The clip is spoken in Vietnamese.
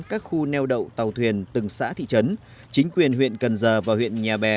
các khu neo đậu tàu thuyền từng xã thị trấn chính quyền huyện cần giờ và huyện nhà bè